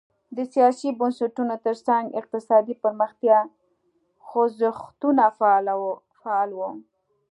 د سیاسي بنسټونو ترڅنګ اقتصادي پرمختیا خوځښتونه فعال وو.